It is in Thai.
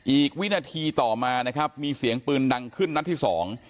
อีกวินาทีต่อมานะครับมีเสียงปืนดังขึ้นนัดที่สอง